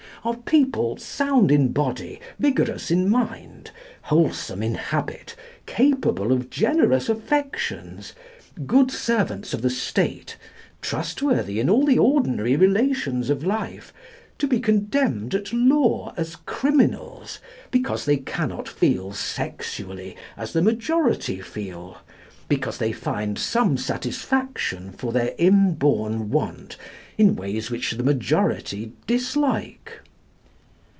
Are people, sound in body, vigorous in mind, wholesome in habit, capable of generous affections, good servants of the state, trustworthy in all the ordinary relations of life, to be condemned at law as criminals because they cannot feel sexually as the majority feel, because they find some satisfaction for their inborn want in ways which the majority dislike?